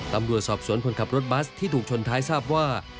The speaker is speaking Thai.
ตำรวจสอบสวนคนขับรถบัสที่ถูกชนท้ายทราบว่า